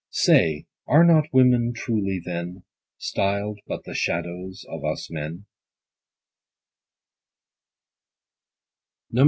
10 Say, are not women truly, then, Styl'd but the shadows of us men